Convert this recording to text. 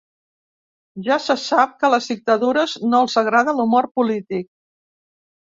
Ja se sap que a les dictadures no els agrada l’humor polític.